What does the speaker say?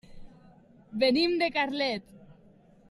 Venim de Carlet.